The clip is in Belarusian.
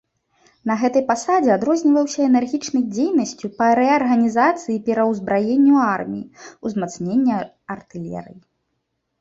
На гэтай пасадзе адрозніваўся энергічнай дзейнасцю па рэарганізацыі і пераўзбраенню арміі, узмацнення артылерыі.